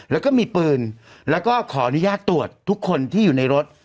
แล้วก็มีปืนแล้วก็ขออนุญาตตรวจทุกคนที่อยู่ในรถ